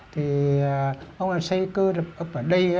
thì ông xây cư lập ấp ở đây